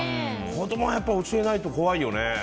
子供は教えないと怖いよね。